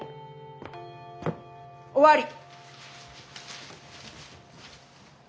終わり！